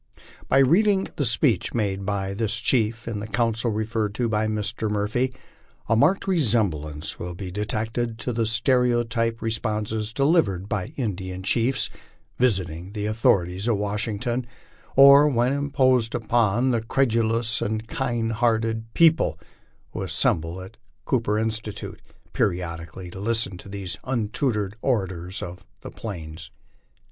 By reading the speech made by this chief in the council referred to by Mr. Murphy, a marked re semblance will be detected to the stereotyped responses delivered by Indian chiefs visiting the authorities at Washington, or when imposing upon the credulous and kind hearted people who assemble at Cooper Institute periodically to lis ten to these untutored orators of the plains.